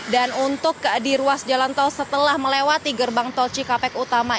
dan untuk di ruas jalan tol setelah melewati gerbang tol cikampek utama